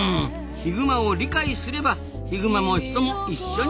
ヒグマを理解すればヒグマも人も一緒に暮らせる。